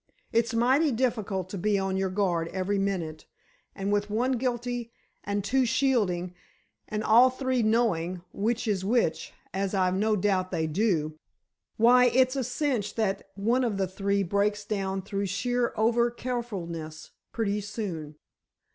It's mighty difficult to be on your guard every minute, and with one guilty, and two shielding, and all three knowing, which is which, as I've no doubt they do, why, it's a cinch that one of the three breaks down through sheer overcarefulness pretty soon."